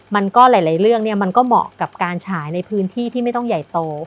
มันก็หลายเรื่องเนี่ยมันก็เหมาะกับการฉายในพื้นที่ที่ไม่ต้องใหญ่โต